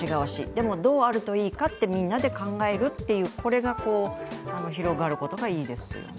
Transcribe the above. でもどうあればいいかということをみんなで考えるというのが広がるといいですよね。